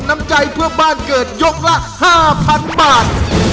น้ำใจเพื่อบ้านเกิดยกละ๕๐๐๐บาท